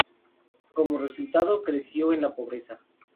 Como resultado, creció en la pobreza.